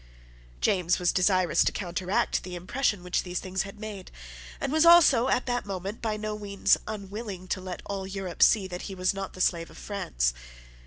James was desirous to counteract the impression which these things had made, and was also at that moment by no means unwilling to let all Europe see that he was not the slave of France.